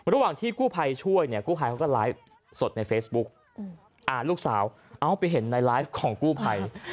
ระหว่างที่กู้ภัยช่วยเนี่ยกู้ภัยเขาก็ไลฟ์สดในเฟซบุ๊กลูกสาวเอาไปเห็นในไลฟ์ของกู้ภัย